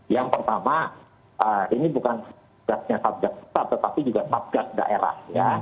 yang pertama ini bukan satgas nya satgas sat tetapi juga satgas daerah